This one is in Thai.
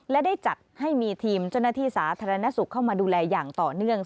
และได้จัดให้มีทีมเจ้าหน้าที่สาธารณสุขเข้ามาดูแลอย่างต่อเนื่อง